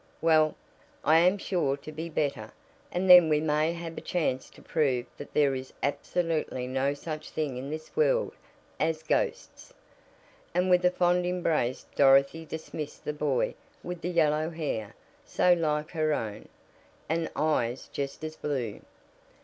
Well, I am sure to be better, and then we may have a chance to prove that there is absolutely no such thing in this world as ghosts," and with a fond embrace Dorothy dismissed the boy with the yellow hair, so like her own, and eyes just as blue.